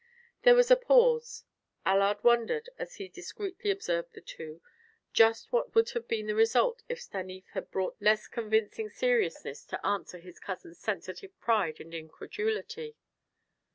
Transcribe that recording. There was a pause. Allard wondered, as he discreetly observed the two, just what would have been the result if Stanief had brought less convincing seriousness to answer his cousin's sensitive pride and incredulity.